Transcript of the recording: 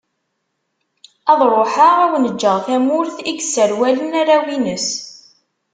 Ad ruḥeγ ad awen-ğğeγ tamurt i yesserwalen arraw_ines.